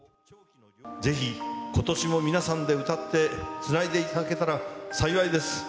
ぜひことしも皆さんで歌って、つないでいただけたら幸いです。